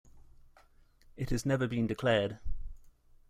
It has never been declared.